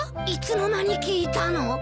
いつの間に聞いたの？